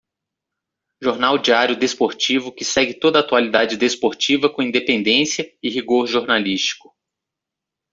Jornal diário desportivo que segue toda a atualidade desportiva com independência e rigor jornalístico.